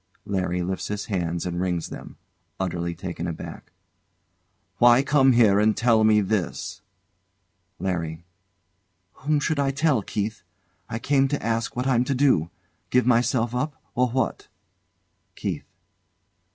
LARRY lifts his hands and wrings them. [Utterly taken aback] Why come here and tell me this? LARRY. Whom should I tell, Keith? I came to ask what I'm to do give myself up, or what? KEITH.